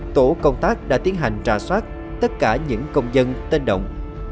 tổ công tác đã tiến hành trà soát tất cả những công dân tên động